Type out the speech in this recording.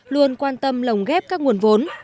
luôn quan tâm lồng ghép các nguồn vốn